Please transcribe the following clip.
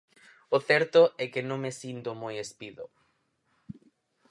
O certo é que non me sinto moi espido.